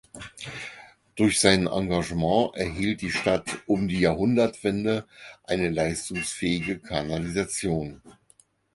Durch sein Engagement erhielt die Stadt um die Jahrhundertwende eine leistungsfähige Kanalisation.